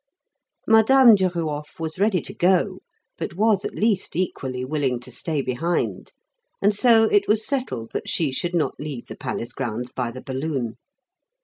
Madame Duruof was ready to go, but was at least equally willing to stay behind, and so it was settled that she should not leave the palace grounds by the balloon.